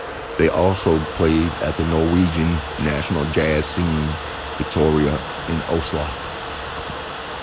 They also played at the Norwegian National Jazz Scene, Victoria, in Oslo.